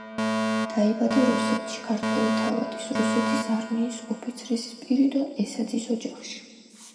დაიბადა რუსეთში, ქართველი თავადის, რუსეთის არმიის ოფიცრის სპირიდონ ესაძის ოჯახში.